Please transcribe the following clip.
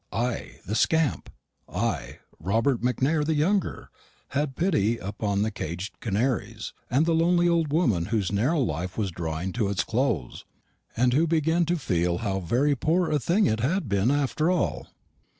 I, the scamp I, Robert Macaire the younger had pity upon the caged canaries, and the lonely old woman whose narrow life was drawing to its close, and who began to feel how very poor a thing it had been after all.